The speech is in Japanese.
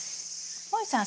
もえさん